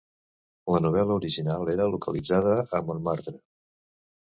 La novel·la original era localitzada a Montmartre.